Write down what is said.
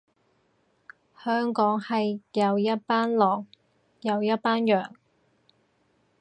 香港係有一班狼，有一班羊